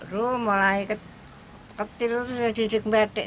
dulu mulai ketika sudah didik batik